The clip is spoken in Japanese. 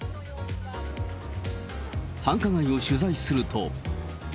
繁華街を取材すると。